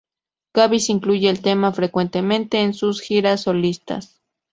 Gabis incluye el tema frecuentemente en sus giras solistas.